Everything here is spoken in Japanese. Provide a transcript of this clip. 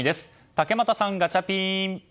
竹俣さん、ガチャピン！